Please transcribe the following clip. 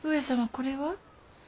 これは。